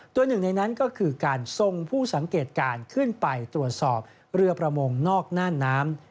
หนึ่งในนั้นก็คือการทรงผู้สังเกตการณ์ขึ้นไปตรวจสอบเรือประมงนอกน่านน้ำ